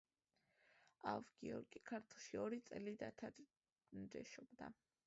ავ-გიორგი ქართლში ორი წელი დათარეშობდა.